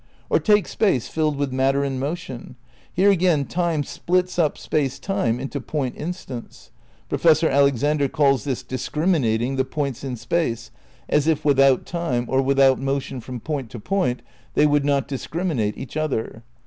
Or take Space filled with matter in motion; here again Time splits up Space Time into point instants. Professor Alexander calls this "discriminating" the points in Space, as if with V THE CRITICAL PREPARATIONS 177 out Time, or without motion from point to point, they would not discriminate each other.